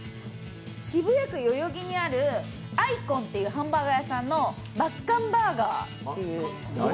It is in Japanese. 渋谷区代々木にあるＩＣＯＮっていうハンバーガー屋さんのマッカンバーガーっていう。